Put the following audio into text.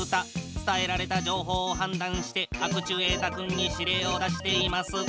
伝えられたじょうほうをはんだんしてアクチュエータ君に指令を出しています。